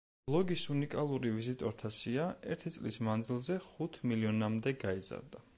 ბლოგის უნიკალური ვიზიტორთა სია, ერთი წლის მანძილზე ხუთ მილიონამდე გაიზარდა.